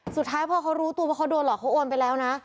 สุดท้ายพอเขารู้ตัวว่าเขาโดนหลอกเขาโอนไปแล้วนะ